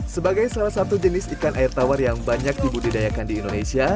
sebagai salah satu jenis ikan air tawar yang banyak dibudidayakan di indonesia